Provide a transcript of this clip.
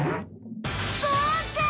そうか！